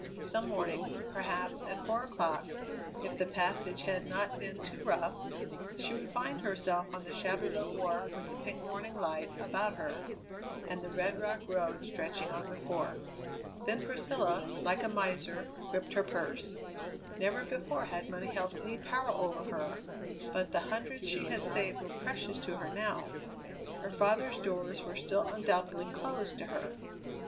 Some morning, perhaps, at four o'clock, if the passage had not been too rough, she would find herself on the shabby little wharf with the pink morning light about her, and the red rock road stretching on before. Then Priscilla, like a miser, gripped her purse. Never before had money held any power over her, but the hundreds she had saved were precious to her now. Her father's doors were still, undoubtedly, closed to her.